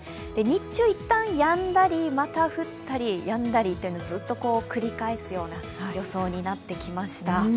日中、いったんやんだり、また降ったりやんだりというのをずっと繰り返すような予想になってきました。